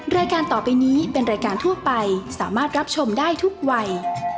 รายการต่อไปนี้เป็นรายการทั่วไปสามารถรับชมได้ทุกวัย